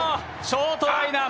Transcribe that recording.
ショートライナー